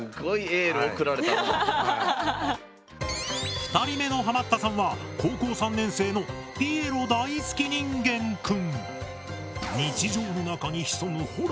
２人目のハマったさんは高校３年生のピエロ大好き人間くん。